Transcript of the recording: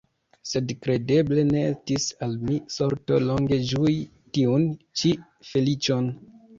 Sed kredeble ne estis al mi sorto longe ĝui tiun ĉi feliĉon.